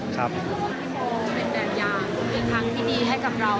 พี่โบเป็นแบบอย่างเป็นทางที่ดีให้กับเรา